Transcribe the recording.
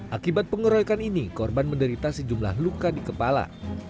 akibat pengeroyokan ini korban menderita sejumlah luka di kepala